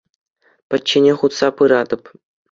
Пӗчченех утса пыратӑп.